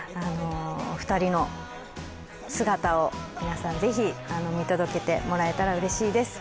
２人の姿を皆さん、ぜひ見届けてもらえたらうれしいです。